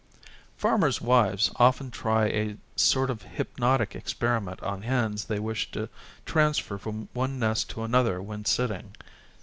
Farmers' wives often try a sort of hypnotic experiment on hens they wish to transfer from one nest to another when sitting.